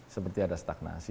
seperti ada stagnasi